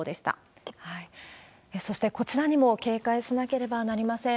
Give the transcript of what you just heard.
そして、こちらにも警戒しなければなりません。